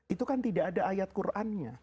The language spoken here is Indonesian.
itu kan tidak ada ayat qurannya